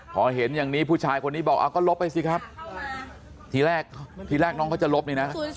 พอเห็นอย่างนี้ผู้ชายคนนี้บอกเอาก็ลบไปสิครับทีแรกที่แรกน้องเขาจะลบนี่นะ